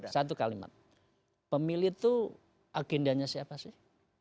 satu kalimat pemilih itu agendanya siapa sih